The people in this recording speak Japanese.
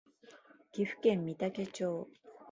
岐阜県御嵩町